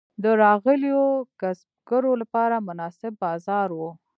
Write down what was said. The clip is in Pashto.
د راغلیو کسبګرو لپاره مناسب بازار و.